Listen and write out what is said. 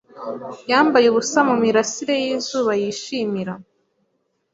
Yambaye ubusa mumirasire yizuba yishimira